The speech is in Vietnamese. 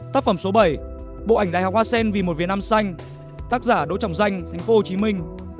tác phẩm số bảy bộ ảnh đại học hoa sen vì một việt nam xanh tác giả đỗ trọng danh thành phố hồ chí minh